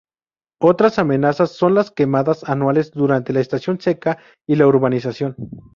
Otras amenazas son las quemadas anuales durante la estación seca, y la urbanización.